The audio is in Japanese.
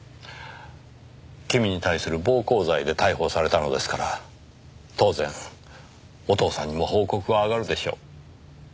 君に対する暴行罪で逮捕されたのですから当然お父さんにも報告は上がるでしょう。